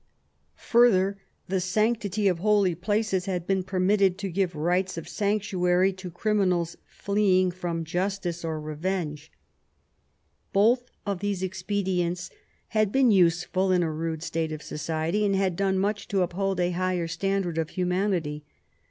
Further, the sanctity of holy places had been permitted to give rights of sanctuary to criminals fleeing from justice or revenge. VIII WOLSEY'S DOMESTIC POLICY 136 Both of these expedients had been useful in a rude state of society, and had done much to uphold a higher stand ard of humanity.